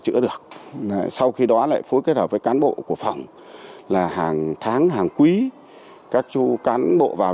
chữa được sau khi đó lại phối kết hợp với cán bộ của phòng là hàng tháng hàng quý các chú cán bộ vào